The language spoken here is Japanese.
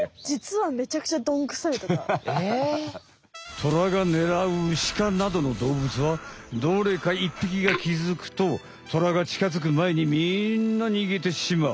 トラがねらうシカなどのどうぶつはどれか１ぴきが気づくとトラがちかづくまえにみんなにげてしまう。